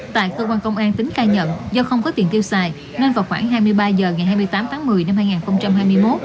tại cơ quan công an tính khai nhận do không có tiền tiêu xài nên vào khoảng hai mươi ba h ngày hai mươi tám tháng một mươi năm hai nghìn hai mươi một